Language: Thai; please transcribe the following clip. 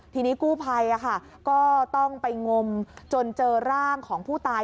ทีนี้กู้ภัยก็ต้องไปงมจนเจอร่างของผู้ตาย